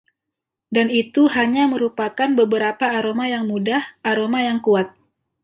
Dan itu hanya merupakan beberapa aroma yang mudah - aroma yang kuat.